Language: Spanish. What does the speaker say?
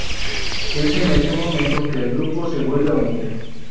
Es en este momento que el grupo se vuelve a unir.